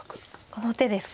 この手ですか。